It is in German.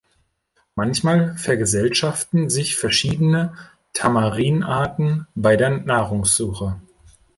Manchmal vergesellschaften sich verschiedene Tamarin-Arten bei der Nahrungssuche.